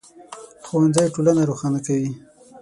ښوونځی ټولنه روښانه کوي